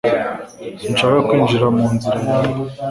sinshaka kwinjira mu nzira yawe